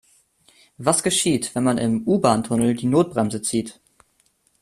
Was geschieht, wenn man im U-Bahntunnel die Notbremse zieht?